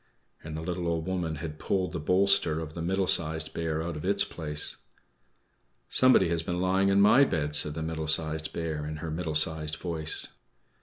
And the little Old Woman had pulled the bolster of the Middle Sized Bear out of its place. "=Somebody has been lying in my bed!=" said the Middle Sized Bear, in her middle sized voice.